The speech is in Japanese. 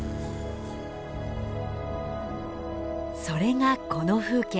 それがこの風景。